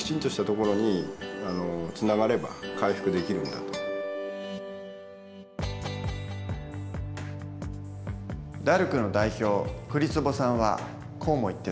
だからＤＡＲＣの代表栗坪さんはこうも言ってた。